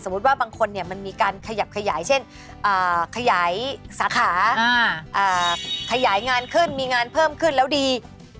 ว่าบางคนมันมีการขยับขยายเช่นขยายสาขาขยายงานขึ้นมีงานเพิ่มขึ้นแล้วดี